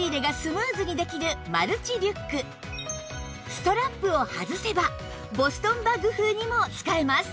ストラップを外せばボストンバッグ風にも使えます